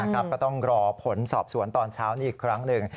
ก็ต้องรอผลสอบสวนตอนเช้านี้อีกครั้งหนึ่ง